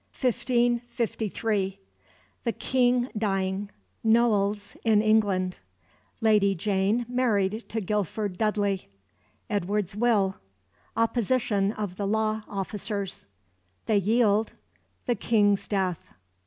CHAPTER XV 1553 The King dying Noailles in England Lady Jane married to Guilford Dudley Edward's will Opposition of the law officers They yield The King's death.